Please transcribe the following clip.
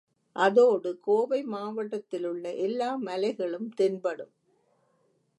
அதோடு கோவை மாவட்டத்திலுள்ள எல்லா மலைகளும் தென்படும்.